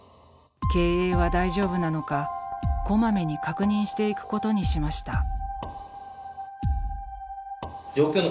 経営は大丈夫なのかこまめに確認していくことにしました。